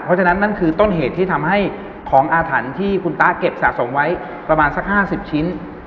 เพราะฉะนั้นนั่นคือต้นเหตุที่ทำให้ของอาถรรพ์ที่คุณตะเก็บสะสมไว้ประมาณสัก๕๐ชิ้น